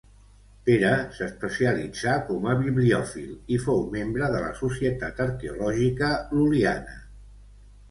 Pere s’especialitzà com a bibliòfil i fou membre de la Societat Arqueològica Lul·liana.